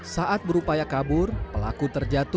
saat berupaya kabur pelaku terjatuh